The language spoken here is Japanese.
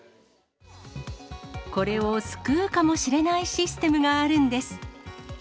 これを救うかもしれないシステムがあるんです。